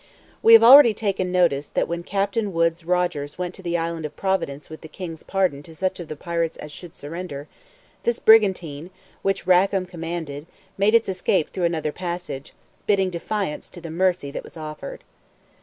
We have already taken notice, that when Captain Woods Rogers went to the island of Providence with the king's pardon to such of the pirates as should surrender, this brigantine, which Rackam commanded, made its escape through another passage, bidding defiance to the mercy that was offered.